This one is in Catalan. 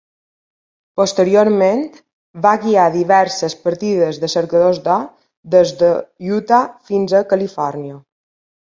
Posteriorment, va guiar diverses partides de cercadors d'or des d'Utah fins a Califòrnia.